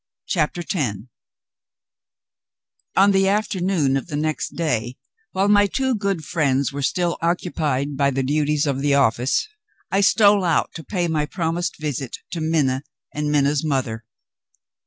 CHAPTER X On the afternoon of the next day, while my two good friends were still occupied by the duties of the office, I stole out to pay my promised visit to Minna and Minna's mother.